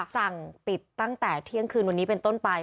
สั่งปิดตั้งแต่เที่ยงคืนวันนี้เป็นต้นไป